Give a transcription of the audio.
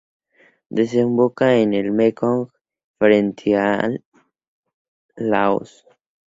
Desemboca en el Mekong frente a Laos.